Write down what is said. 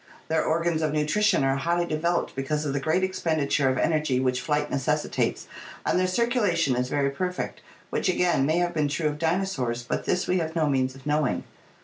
Their organs of nutrition are highly developed because of the great expenditure of energy which flight necessitates and their circulation is very perfect, which again may have been true of dinosaurs, but this we have no means of knowing.